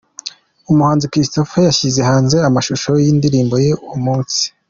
Umuhanzi Christopher yashyize hanze amashusho y’indirimbo ye "Uwo Munsi".